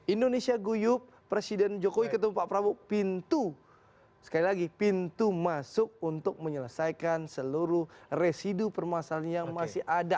indonesia guyup presiden jokowi ketemu pak prabowo pintu sekali lagi pintu masuk untuk menyelesaikan seluruh residu permasalahan yang masih ada